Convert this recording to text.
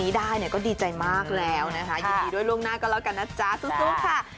ได้เนี่ยก็ดีใจมากแล้วนะคะยินดีด้วยล่วงหน้าก็แล้วกันนะจ๊ะสู้ค่ะ